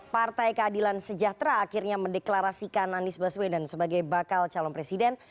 partai keadilan sejahtera akhirnya mendeklarasikan anies baswedan sebagai bakal calon presiden